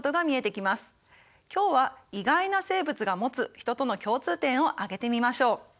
今日は意外な生物が持つヒトとの共通点を挙げてみましょう。